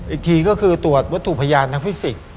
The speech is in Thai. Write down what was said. อีกทีก็คือตรวจวัตถุพยานทางฟิสิกส์